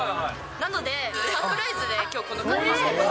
なので、サプライズできょうこの格好してます。